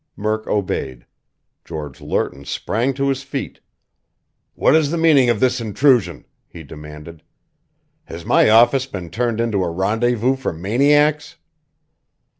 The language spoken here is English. Murk obeyed. George Lerton sprang to his feet. "What is the meaning of this intrusion?" he demanded. "Has my office been turned into a rendezvous for maniacs?"